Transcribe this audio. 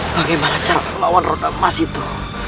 bagaimana cara melawan roda emas itu